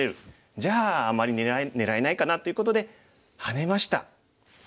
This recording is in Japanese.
じゃああんまり狙えないかなということでハネました。